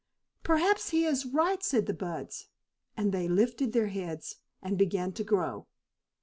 "Perhaps he is right," said the buds, and they lifted up their heads and began to grow.